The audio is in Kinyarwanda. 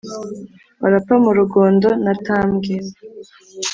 Barapfa mu Rugondo na Tambwe